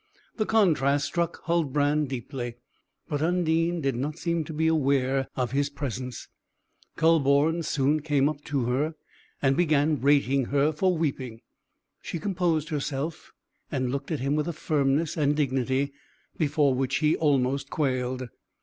The contrast struck Huldbrand deeply; but Undine did not seem to be aware of his presence. Kühleborn soon came up to her, and began rating her for weeping. She composed herself, and looked at him with a firmness and dignity, before which he almost quailed.